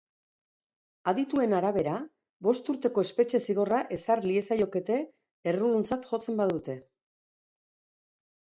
Adituen arabera, bost urteko espetxe zigorra ezar liezaiokete erruduntzat jotzen badute.